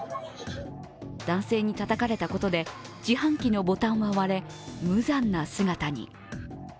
男性にたたかれたことで自販機のボタンは割れ無残な姿に。